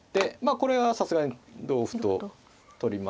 これはさすがに同歩と取りますので。